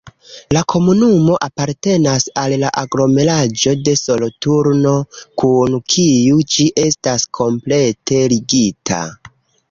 La komunumo apartenas al la aglomeraĵo de Soloturno, kun kiu ĝi estas komplete ligita.